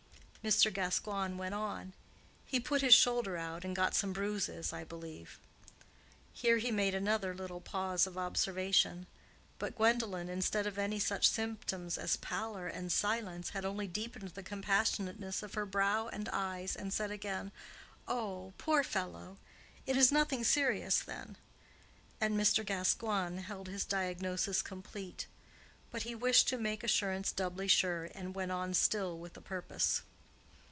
Mr. Gascoigne went on: "He put his shoulder out, and got some bruises, I believe." Here he made another little pause of observation; but Gwendolen, instead of any such symptoms as pallor and silence, had only deepened the compassionateness of her brow and eyes, and said again, "Oh, poor fellow! it is nothing serious, then?" and Mr. Gascoigne held his diagnosis complete. But he wished to make assurance doubly sure, and went on still with a purpose.